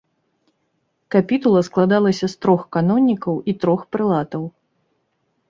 Капітула складалася з трох канонікаў і трох прэлатаў.